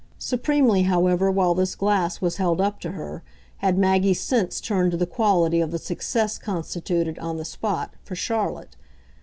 Supremely, however, while this glass was held up to her, had Maggie's sense turned to the quality of the success constituted, on the spot, for Charlotte.